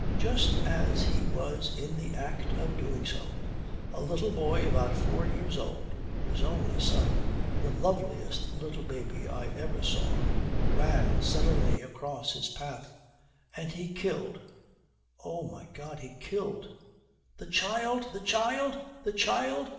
Just as he was in the act of doing so, a little boy about four years old his only son the loveliest little baby I ever saw, ran suddenly across his path, and he killed oh, my God! he killed " "The child! the child! the child!"